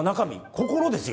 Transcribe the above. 心ですよ。